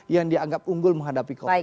yang dianggap unggul menghadapi covid